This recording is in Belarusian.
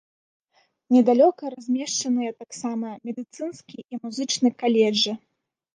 Недалёка размешчаныя таксама медыцынскі і музычны каледжы.